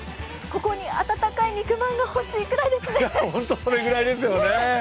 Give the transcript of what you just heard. ここに温かい肉まんが欲しいくらいですね。